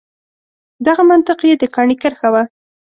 دغه منطق یې د کاڼي کرښه وه.